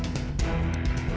tidak ada foto